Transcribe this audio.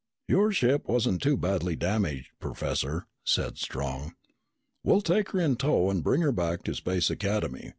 "Your ship wasn't too badly damaged, Professor," said Strong. "We'll take her in tow and bring her back to Space Academy.